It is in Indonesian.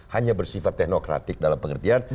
hanya bersifat teknokratik dalam pengertian